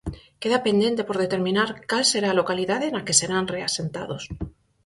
Queda pendente por determinar cal será a localidade na que serán reasentados.